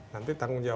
nanti tanggung jawab